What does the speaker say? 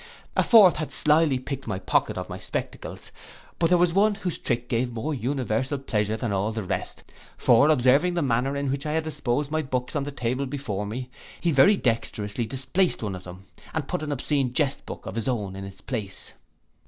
A fourth had slily picked my pocket of my spectacles. But there was one whose trick gave more universal pleasure than all the rest; for observing the manner in which I had disposed my books on the table before me, he very dextrously displaced one of them, and put an obscene jest book of his own in the place.